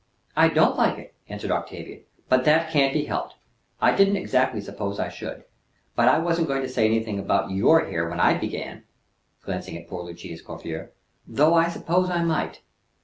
"I don't like it," answered Octavia; "but that can't be helped. I didn't exactly suppose I should. But I wasn't going to say any thing about your hair when I began," glancing at poor Lucia's coiffure, "though I suppose I might."